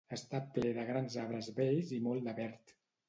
Està ple de grans arbres bells i molt de verd.